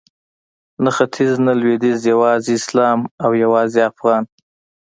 نه ختیځ نه لویدیځ یوازې اسلام او یوازې افغان